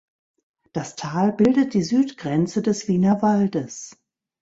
Das Tal bildet die Südgrenze des Wienerwaldes.